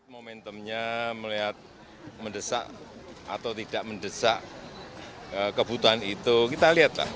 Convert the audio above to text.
momentumnya melihat mendesak atau tidak mendesak kebutuhan itu kita lihatlah